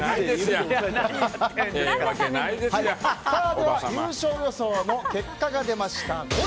では優勝予想の結果が出ました。